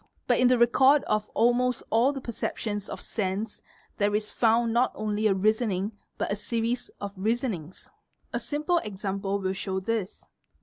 But in the record of almost all the percep tions of sense there is found not only a reasoning but a series of reasonings. A simple example will show this.